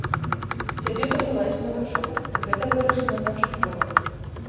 Цябе пасылаюць на вучобу, гэта вырашана канчаткова.